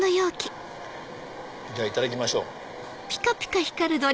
じゃあいただきましょう。